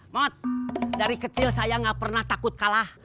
mot dari kecil saya gak pernah takut kalah